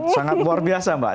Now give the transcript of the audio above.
sangat luar biasa mbak